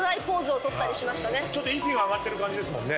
息が上がってる感じですもんね。